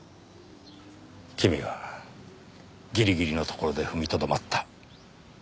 君はギリギリのところで踏みとどまった。